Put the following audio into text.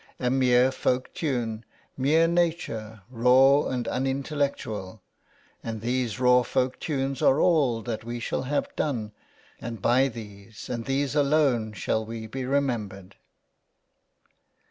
A mere folk tune, mere nature, raw and unintellectual ; and these raw folk tunes are all that we shall have done : and by these, and these alone, shall we be remembered."